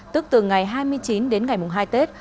tức từ ngày hai mươi chín đến ngày mùng hai tết